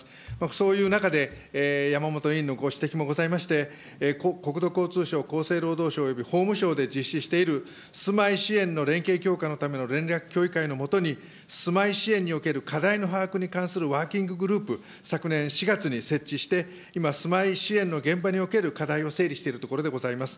そういう中で、山本委員のご指摘もございまして、国土交通省、厚生労働省および法務省で実施している住まい支援の連携強化のための連絡協議会の下に、住まい支援における課題の把握に関するワーキンググループ、昨年４月に設置して、今、住まい支援の現場における課題を整理しているところでございます。